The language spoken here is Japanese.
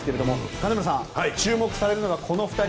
金村さん、注目されるのがこの２人。